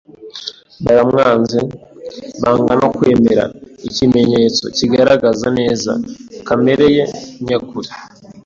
baramwanze, banga no kwemera ikimenyetso kigaragaza neza kamere ye nyakuri.